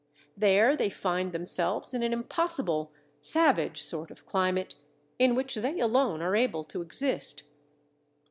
There they find themselves in an impossible, savage sort of climate, in which they alone are able to exist.